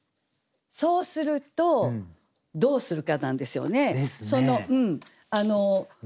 そうするとどうするかなんですよね。ですね。